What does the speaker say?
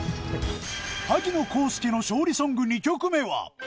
萩野公介の勝利ソング２曲目は。